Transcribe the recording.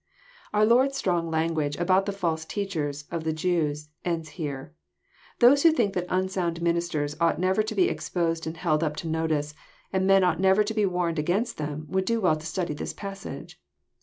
Our Lord*s dtron^ language about the false teachers of the Jews ends here. Those who think that unsound ministers ought never to be exposed and held up to notice, and men ought never to be warned against them, would do well to study this passage.